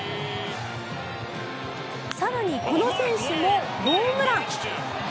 更にこの選手もホームラン。